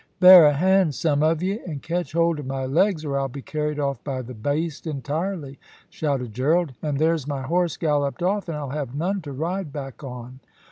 "Bear a hand, some of ye, and catch hold of my legs, or I'll be carried off by the baste entirely," shouted Gerald. "And there's my horse galloped off, and I'll have none to ride back on."